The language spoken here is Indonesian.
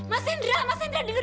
mas engga bisa liat sedikit